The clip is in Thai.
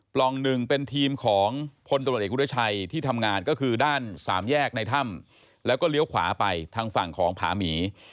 ปล่องหนึ่งเป็นทีมของพลตรวจเอกวิทยาชัยที่ทำงานก็คือด้านสามแยกในถ้ำแล้วก็เลี้ยวขวาไปทางฝั่งของผาหมี